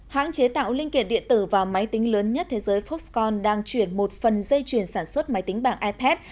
hãng chế tạo linh kiện điện tử và máy tính lớn nhất thế giới foxcon đang chuyển một phần dây chuyển sản xuất máy tính bảng ipad